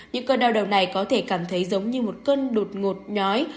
những cơn đau đầu này có thể cảm thấy giống như một cơn đột ngột nhói